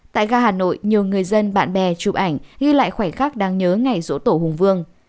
tại gà hà nội nhiều người dân bạn bè chụp ảnh ghi lại khoảnh khắc đáng nhớ ngày rỗ tổ hùng vương